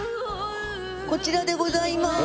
こちらでございます。